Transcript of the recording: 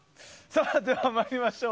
では、参りましょう。